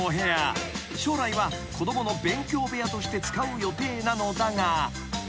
将来は子供の勉強部屋として使う予定なのだが］